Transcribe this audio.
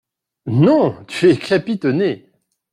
Non ! tu es capitonné !